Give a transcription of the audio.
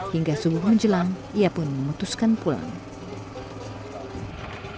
hingga subuh menjelang ia pun memutuskan pulang